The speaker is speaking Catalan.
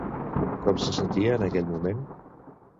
Com se sentia en aquell moment?